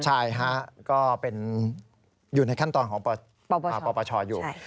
ใช่ฮะก็เป็นอยู่ในขั้นตอนของปปชอยู่